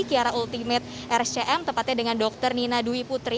kiara ultimate rscm tepatnya dengan dr nina dwi putri